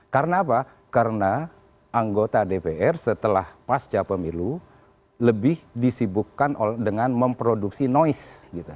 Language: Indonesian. karena apa karena anggota dpr setelah pasca pemilu lebih disibukkan oleh dengan memproduksi noise gitu